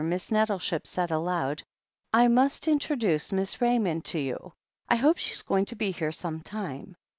Miss Nettleship said aloud : "I must introduce Miss Raymond to you, I hope she's going to be here some time.